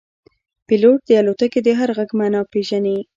پیلوټ د الوتکې د هر غږ معنا پېژني.